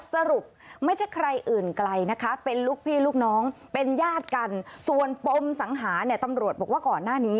สรุปไม่ใช่ใครอื่นไกลนะคะเป็นลูกพี่ลูกน้องเป็นญาติกันส่วนปมสังหาเนี่ยตำรวจบอกว่าก่อนหน้านี้